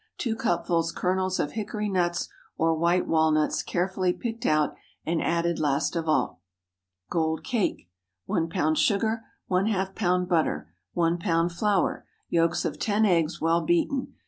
2 cupfuls kernels of hickory nuts or white walnuts, carefully picked out, and added last of all. GOLD CAKE. ✠ 1 lb. sugar. ½ lb. butter. 1 lb. flour. Yolks of ten eggs—well beaten.